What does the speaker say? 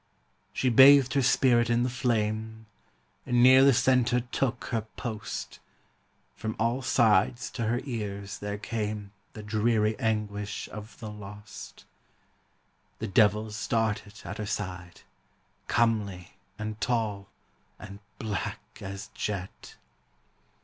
She bathed her spirit in the flame, And near the centre took her post; From all sides to her ears there came The dreary anguish of the lost. The devil started at her side, Comely, and tall, and black as jet.